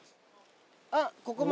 あっここも。